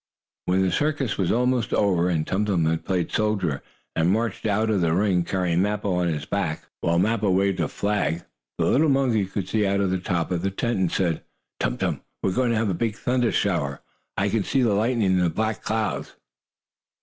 When the circus was almost over, and Tum Tum had played soldier, and marched out of the ring carrying Mappo on his back, while Mappo waved a flag, the little monkey, who could see out of the top of the tent said: "Tum Tum, we are going to have a big thunder shower. I can see the lightning and the black clouds."